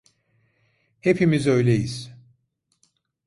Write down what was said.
Hepimiz öyleyiz.